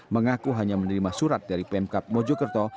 mengaku hanya menerima surat dari pemkap mojokerto